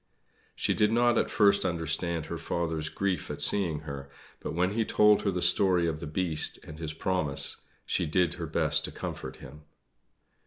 She did not at first understand her father's grief at seeing her; but when he told her the story of the Beast and his promise she did her best to comfort him.